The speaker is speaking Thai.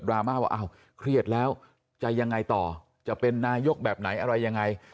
ทำไมวันนี้แหวนเหวินอะไรยังไง